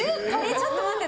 ちょっと待って！